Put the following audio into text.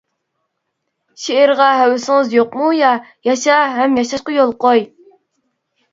شېئىرغا ھەۋىسىڭىز يوقمۇ يا ياشا ھەم ياشاشقا يول قوي!